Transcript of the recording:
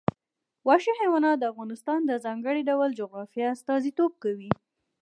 وحشي حیوانات د افغانستان د ځانګړي ډول جغرافیه استازیتوب کوي.